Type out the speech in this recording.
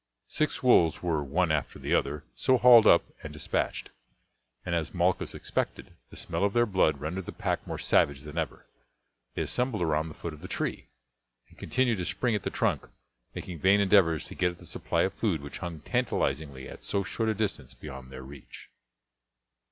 Six wolves were one after the other so hauled up and despatched, and as Malchus expected, the smell of their blood rendered the pack more savage than ever. They assembled round the foot of the tree, and continued to spring at the trunk, making vain endeavours to get at the supply of food which hung tantalizingly at so short a distance beyond their reach.